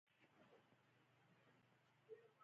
موټر د خونو سره یو ځای سفر کوي.